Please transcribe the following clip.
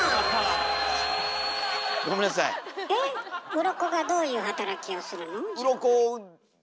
うろこがどういう働きをするの？